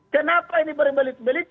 kenapa ini berbelit belit